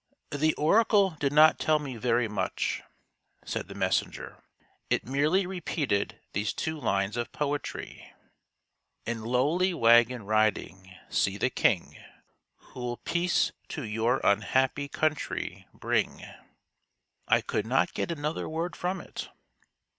" The oracle did not tell me very much," said the THE GORDIAN KNOT 89 messenger. " It merely repeated these two lines of poetry :—"' In lowly wagon riding, see the king Who'll peace to your unhappy country bring.' I could not get another word from it."